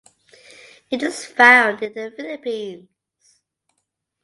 It is found in the Philippines.